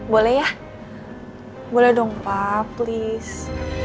boleh ya boleh dong pak please